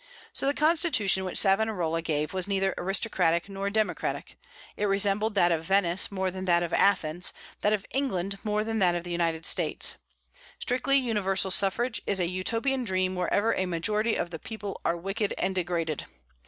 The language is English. So the constitution which Savonarola gave was neither aristocratic nor democratic. It resembled that of Venice more than that of Athens, that of England more than that of the United States. Strictly universal suffrage is a Utopian dream wherever a majority of the people are wicked and degraded.